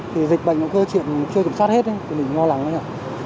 thì dịch bệnh nó cơ truyện chưa kiểm soát hết mình lo lắng đấy hả